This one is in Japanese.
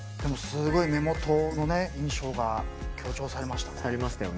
目元の印象が強調されましたね。